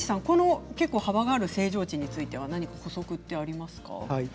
結構、幅がある正常値について樋口さん、何か補足はありますか。